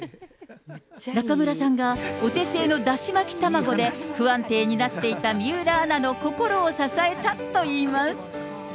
中村さんがお手製のだし巻き卵で、不安定になっていた水卜アナの心を支えたといいます。